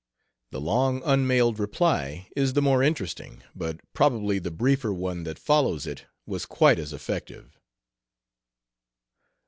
The long unmailed reply is the more interesting, but probably the briefer one that follows it was quite as effective.